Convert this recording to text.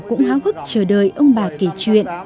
cũng háo hức chờ đợi ông bà kể chuyện